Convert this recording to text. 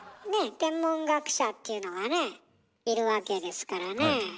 天文学者っていうのがねいるわけですからねえ。